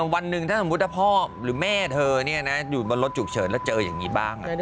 วันหนึ่งถ้าสมมุติถ้าพ่อหรือแม่เธออยู่บนรถฉุกเฉินแล้วเจออย่างนี้บ้าง